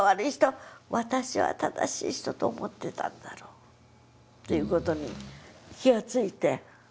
私は正しい人」と思ってたんだろうっていう事に気が付いて。